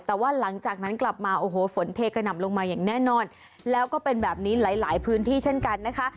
แต่ว่าหลังจากนั้นกลับมาโอ้โหฝนเทกระหน่ำลงมาอย่างแน่นอนแล้วก็เป็นแบบนี้หลายหลายพื้นที่เช่นกันนะคะ